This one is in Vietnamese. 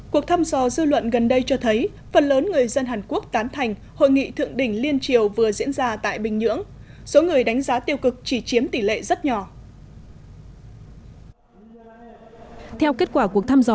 cuộc thăm dò dư luận gần đây cho thấy phần lớn người dân hàn quốc tán thành hội nghị thượng đỉnh liên triều vừa diễn ra tại bình nhưỡng